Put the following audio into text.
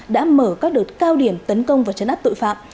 đã mở các đợt cao điểm tấn công và chấn áp